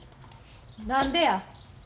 何でや？